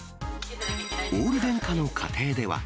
オール電化の家庭では。